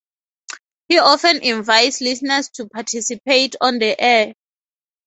He often invites listeners to participate on the air.